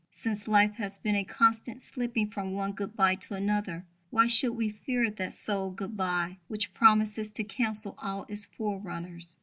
Since life has been a constant slipping from one good bye to another, why should we fear that sole good bye which promises to cancel all its forerunners?